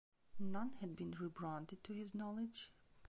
None had been rebranded to his knowledge.